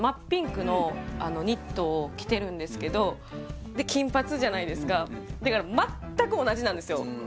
ピンクのニットを着てるんですけどで金髪じゃないですかだから全く同じなんですよ